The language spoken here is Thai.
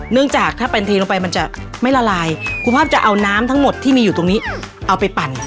เนื่องจากถ้าเป็นเทลงไปมันจะไม่ละลายคุณภาพจะเอาน้ำทั้งหมดที่มีอยู่ตรงนี้เอาไปปั่น